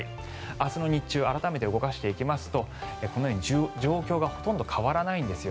明日の日中改めて動かしていきますとこのように状況がほとんど変わらないんです。